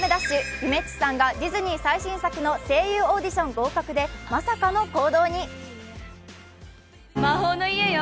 ゆめっちさんがディズニー最新作の声優オーディション合格で、まさかの行動に。